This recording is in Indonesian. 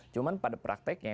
cuman pada praktiknya